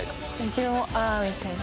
自分も「ああ」みたいな。